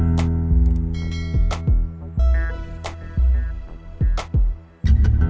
onekapa mendukung aku